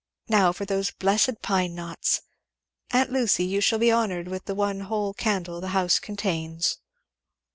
Now for those blessed pine knots! Aunt Lucy, you shall be honoured with the one whole candle the house contains."